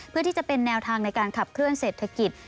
เพื่อที่จะเป็นแนวทางในการขับเคลื่อเศรษฐกิจ